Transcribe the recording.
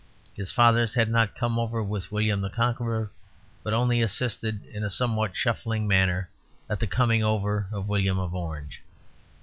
His fathers had not come over with William the Conqueror, but only assisted, in a somewhat shuffling manner, at the coming over of William of Orange.